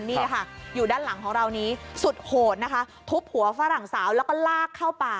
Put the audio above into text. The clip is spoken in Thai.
นี่ค่ะอยู่ด้านหลังของเรานี้สุดโหดนะคะทุบหัวฝรั่งสาวแล้วก็ลากเข้าป่า